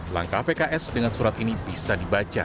langkah pks dengan surat ini bisa dibaca